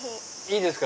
いいですか？